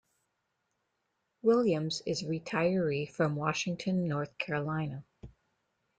Williams is a retiree from Washington, North Carolina.